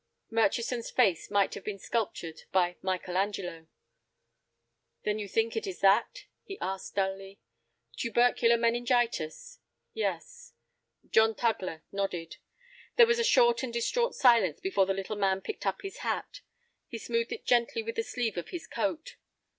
Murchison's face might have been sculptured by Michael Angelo. "Then you think it is that?" he asked, dully. "Tubercular meningitis?" "Yes." John Tugler nodded. There was a short and distraught silence before the little man picked up his hat. He smoothed it gently with the sleeve of his coat.